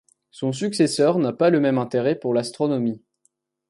Son successeur n'a pas le même intérêt pour l’astronomie.